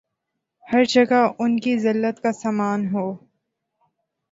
ہر جگہ ان کی زلت کا سامان ہو